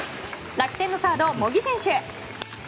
楽天のサード、茂木選手。